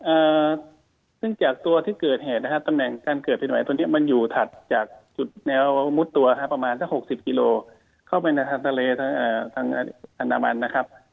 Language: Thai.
เอ่อซึ่งจากตัวที่เกิดเหตุนะครับตำแหน่งการเกิดที่ไหนตัวนี้มันอยู่ถัดจากจุดแนวมุดตัวครับประมาณสัก๖๐กิโลเมตรเข้าไปทางทะเลทางถนนามันนะครับ